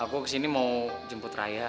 aku kesini mau jemput raya